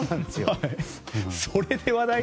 それで話題に。